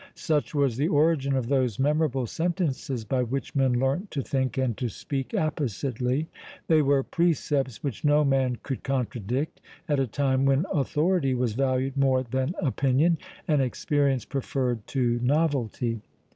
Such was the origin of those memorable sentences by which men learnt to think and to speak appositely; they were precepts which no man could contradict, at a time when authority was valued more than opinion, and experience preferred to novelty.